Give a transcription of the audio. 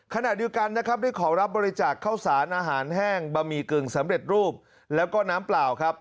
ขณะเดียวกันนะครับได้ขอรับบริจาคข้าวสารอาหารแห้งบะหมี่กึ่งสำเร็จรูปแล้วก็น้ำเปล่าครับ